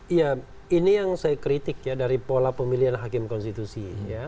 iya ini yang saya kritik ya dari pola pemilihan hakim konstitusi